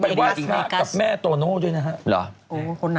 ไปวาสระกับแม่โตโน่ด้วยนะฮะ